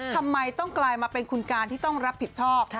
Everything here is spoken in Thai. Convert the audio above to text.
ทำไมต้องกลายมาเป็นคุณการที่ต้องรับผิดชอบ